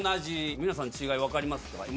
皆さん違い分かりますか？